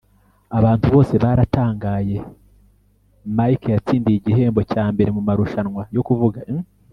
abantu bose baratangaye, mike yatsindiye igihembo cya mbere mumarushanwa yo kuvuga